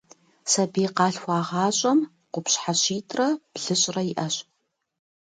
Сабий къалъхуагъащӏэм къупщхьэ щитӏрэ блыщӏрэ иӏэщ.